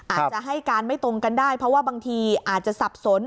อาจจะให้การไม่ตรงกันได้เพราะว่าบางทีอาจจะสับสน